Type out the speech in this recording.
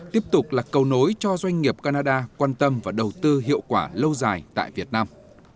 tiếp tục là cầu nối cho doanh nghiệp canada quan tâm và đầu tư hiệu quả lâu dài tại việt nam